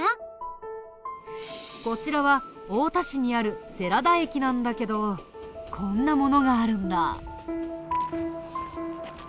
こちらは太田市にある世良田駅なんだけどこんなものがあるんだ。